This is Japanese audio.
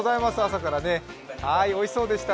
おいしそうでした。